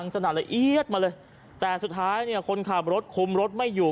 สนั่นละเอียดมาเลยแต่สุดท้ายเนี่ยคนขับรถคุมรถไม่อยู่